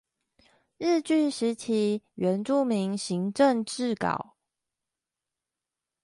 日據時期原住民行政志稿